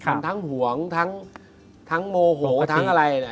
มันทั้งหวงทั้งโมโหทั้งอะไร